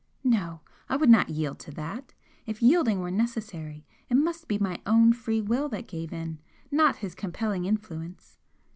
No! I would not yield to that! If yielding were necessary, it must be my own free will that gave in, not his compelling influence!